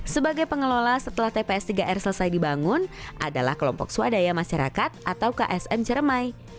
sebagai pengelola setelah tps tiga r selesai dibangun adalah kelompok swadaya masyarakat atau ksm ceremai